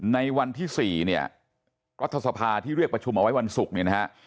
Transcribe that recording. ในวันที่๔เนี่ยรัฐสภาที่เรียกประชุมเอาไว้วันศุกร์เนี่ยนะฮะ